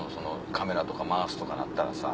カメラとか回すとかなったらさ。